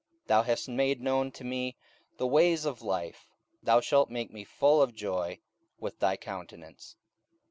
44:002:028 Thou hast made known to me the ways of life; thou shalt make me full of joy with thy countenance.